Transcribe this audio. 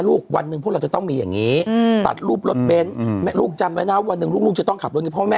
แล้วโทษของการที่จำหน่ายแบงก์ปลอมเนี่ยน่ะ